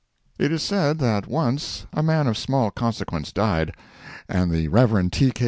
It is said that once a man of small consequence died, and the Rev. T. K.